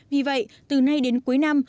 vì vậy từ nay đến cuối năm